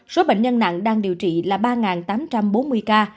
số bệnh nhân nặng đang điều trị là ba tám trăm bốn mươi ca